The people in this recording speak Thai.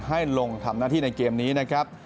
ให้ลงทำหน้าที่ในเกมนี้นะครับ